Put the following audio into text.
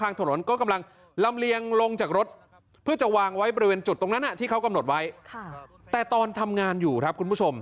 อีกคนนึงชื่อเทอร์โบ่หรอครับ